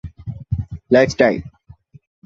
lifestyle